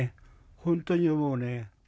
本当に思うね。